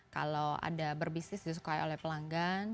kalau ada berbisnis disukai oleh pelanggan